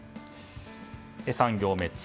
３行目、「ツ」